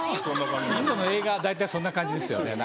インドの映画大体そんな感じですよね。